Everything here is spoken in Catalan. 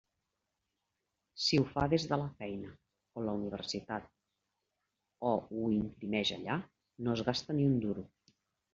Si ho fa des de la feina o la universitat o ho imprimeix allà, no es gasta ni un duro.